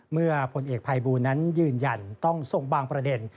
เมื่อผลเอกภัยบูลนั้นยืนยันต้องส่งบางประเด็น